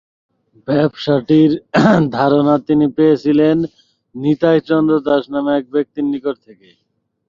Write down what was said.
ব্যবসাটির ধারণা তিনি পেয়েছিলেন নিতাই চন্দ্র দাস নামে এক ব্যক্তির নিকট থেকে।